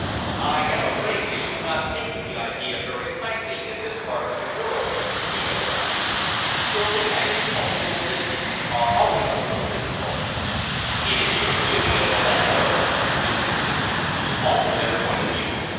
"I am afraid they do not take to the idea very kindly in this part of the world," he confessed. "Purely agricultural districts are always a little difficult." "It is your duty as a landowner," the Duke insisted, "to alter their point of view.